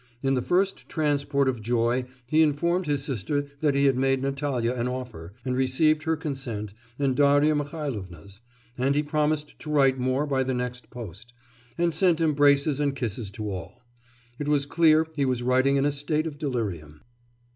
In the first transport of joy he informed his sister that he had made Natalya an offer, and received her consent and Darya Mihailovna's; and he promised to write more by the next post, and sent embraces and kisses to all. It was clear he was writing in a state of delirium.